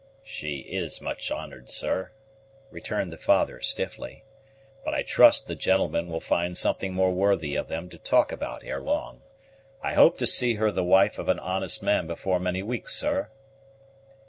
"She is much honored, sir," returned the father stiffly; "but I trust the gentlemen will find something more worthy of them to talk about ere long. I hope to see her the wife of an honest man before many weeks, sir."